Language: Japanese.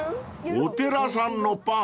［お寺さんのパン？